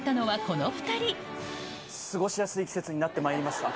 過ごしやすい季節になってまいりました。